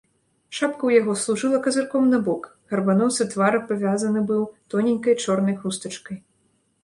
Шапка ў яго служыла казырком набок, гарбаносы твар абвязаны быў тоненькай чорнай хустачкай.